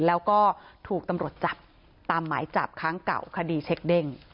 แล้วก็ถูกตำรวจจับตามหมายจับครั้งเก่าคดีเช็คเด้ง